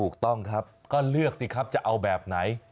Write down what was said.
ก็เลือกสิครับจะเอาแบบไหน